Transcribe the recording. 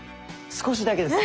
少しだけです。